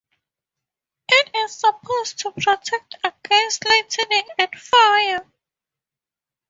It is supposed to protect against lightning and fire.